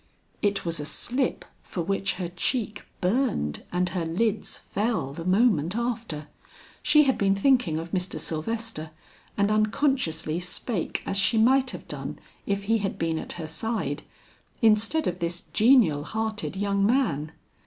It was a slip for which her cheek burned and her lids fell, the moment after. She had been thinking of Mr. Sylvester, and unconsciously spake as she might have done, if he had been at her side, instead of this genial hearted young man.